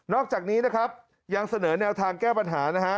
อกจากนี้นะครับยังเสนอแนวทางแก้ปัญหานะฮะ